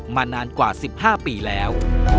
นานกว่า๑๕ปีแล้ว